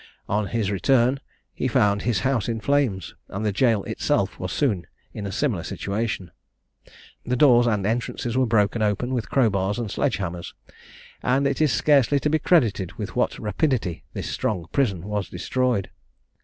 On his return he found his house in flames; and the jail itself was soon in a similar situation. The doors and entrances were broken open with crowbars and sledge hammers; and it is scarcely to be credited with what rapidity this strong prison was destroyed.